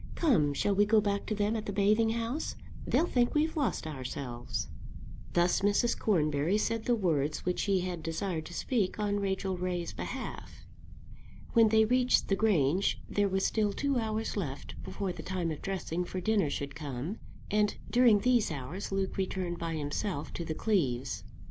Come; shall we go back to them at the bathing house? They'll think we've lost ourselves." Thus Mrs. Cornbury said the words which she had desired to speak on Rachel Ray's behalf. When they reached the Grange there were still two hours left before the time of dressing for dinner should come, and during these hours Luke returned by himself to the Cleeves.